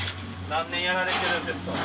何年やられてるんですか？